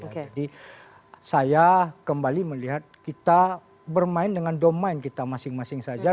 jadi saya kembali melihat kita bermain dengan domain kita masing masing saja